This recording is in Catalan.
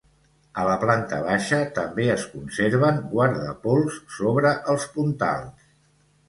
A la planta baixa també es conserven guardapols sobre els puntals.